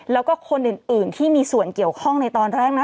แล้วก็คนอื่นที่มีส่วนเกี่ยวข้องในตอนแรกนะ